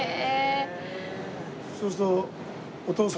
そうすると。